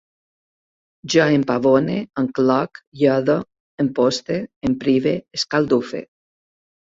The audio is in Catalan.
Jo empavone, encloc, iode, emposte, emprive, escaldufe